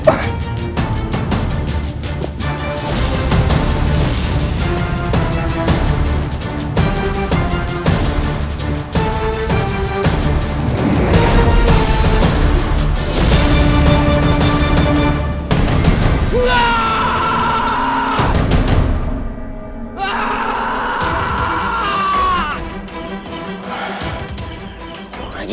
aku akan menang